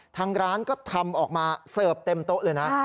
ทางร้านก็ทำออกมาเสิร์ฟเต็มโต๊ะเลยนะ